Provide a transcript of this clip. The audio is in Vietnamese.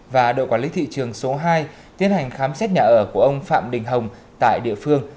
và đội quản lý thị trường số hai tiến hành khám xét nhà ở của ông phạm đình hồng tại địa phương